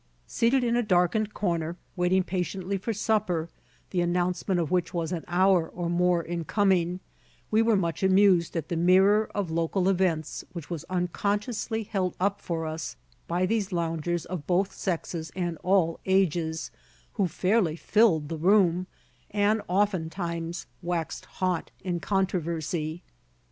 Seated in a darkened corner, waiting patiently for supper, the announcement of which was an hour or more in coming, we were much amused at the mirror of local events which was unconsciously held up for us by these loungers of both sexes and all ages, who fairly filled the room, and oftentimes waxed hot in controversy.